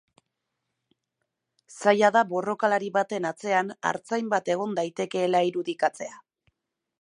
Zaila da borrokalari baten atzean artzain bat egon daitekeela irudikatzea.